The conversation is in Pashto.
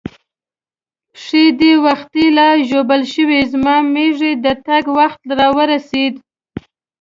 پښې دې وختي لا ژوبل شوې، زما مېږي د تګ وخت را ورسېد.